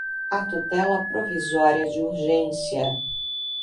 à tutela provisória de urgência